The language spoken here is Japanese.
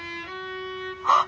あっ！